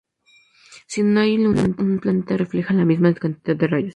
Si no hay luna, un planeta reflejará la misma cantidad de rayos.